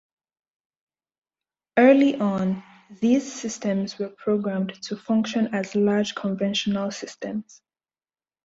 Early on, these systems were programmed to function as large conventional systems.